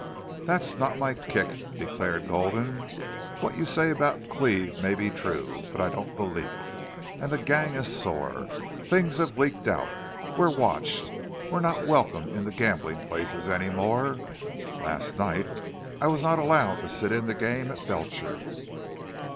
"That's not my kick," declared Gulden. "What you say about Cleve may be true. But I don't believe it. And the gang is sore. Things have leaked out. We're watched. We're not welcome in the gambling places any more. Last night I was not allowed to sit in the game at Belcher's."